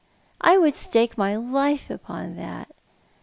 I would stake my life upon that.